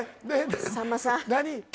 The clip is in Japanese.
さんまさん何？